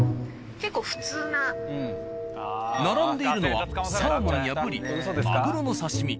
並んでいるのはサーモンやブリマグロの刺身